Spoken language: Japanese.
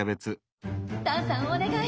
だんさんお願い！